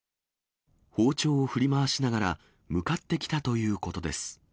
包丁を振り回しながら、向かってきたということです。